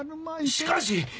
しかし！